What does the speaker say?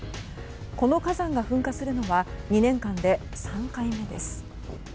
この火山が噴火するのは２年間で３回目です。